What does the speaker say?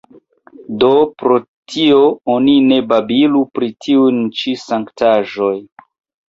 Do pro tio oni ne babilu pri tiuj ĉi sanktaĵoj.